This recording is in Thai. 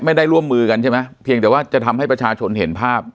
ไม่ได้ร่วมมือกันใช่ไหมเพียงแต่ว่าจะทำให้ประชาชนเห็นภาพ